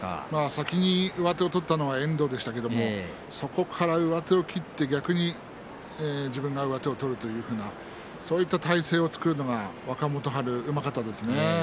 先に上手を取ったのは遠藤でしたけどそこから上手を切って逆に自分が上手を取るというふうなそういった体勢を作るのが若元春うまかったですね。